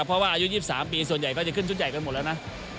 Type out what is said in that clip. เพราะว่าอายุ๒๓ปีส่วนใหญ่ก็จะขึ้นชุดใหญ่กันหมดแล้วนะ